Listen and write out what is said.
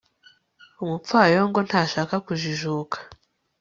umupfayongo ntashaka kujijuka